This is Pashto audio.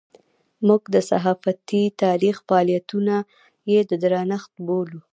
موږ د صحافتي تاریخ فعالیتونه یې د درنښت بولو.